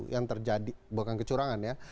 yang terjadi bukan kecurangan ya